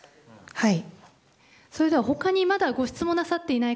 はい。